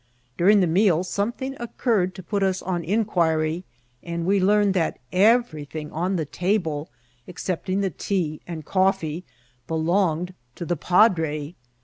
During the meal something occurred to put us on inquiry, and we learned that everything on the table, excepting the tea and coifee, belonged to the padre.